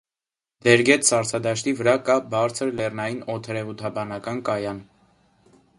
Դերգետ սառցադաշտի վրա կա բարձր լեռնային օդերեվութաբանական կայան։